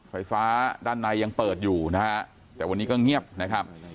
ไฟฟ้าด้านในยังเปิดอยู่นะฮะแต่วันนี้ก็เงียบนะครับ